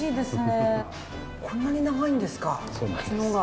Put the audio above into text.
こんなに長いんですか角が。